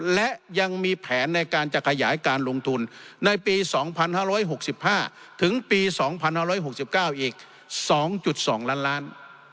และยังมีแผนในการจะขยายการลงทุนในปี๒๕๖๕ถึงปี๒๕๖๙อีก๒๒ล้านล้าน